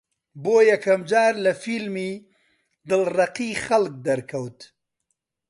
بۆ یەکەم جار لە فیلمی «دڵڕەقی خەڵک» دەرکەوت